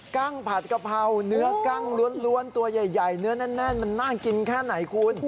ั้งผัดกะเพราเนื้อกั้งล้วนตัวใหญ่เนื้อแน่นมันน่ากินแค่ไหนคุณ